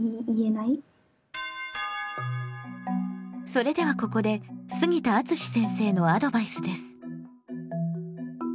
それではここで杉田敦先生のアドバイスです。